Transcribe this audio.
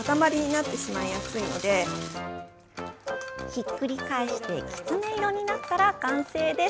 ひっくり返してきつね色になったら完成です。